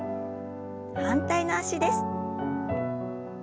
反対の脚です。